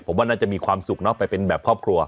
ผมว่าน่าจะมีความสุขเนอะไปเป็นแบบครอบครัว